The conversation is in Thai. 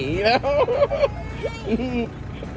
กินข้าวขอบคุณครับ